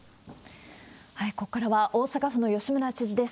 ここからは大阪府の吉村知事です。